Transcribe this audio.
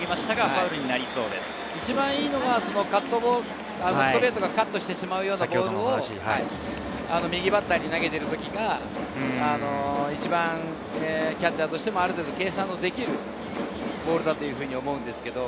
一番いいのはストレートがカットしてしまうようなボールを右バッターに投げているときが、一番キャッチャーとしても計算のできるボールだと思うんですけれど。